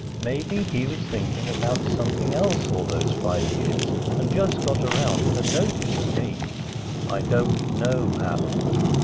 Maybe he was thinking about something else all those five years, and just got around to noticing me. I don't know, Hap."